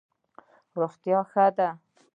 روغتیا ښه ده.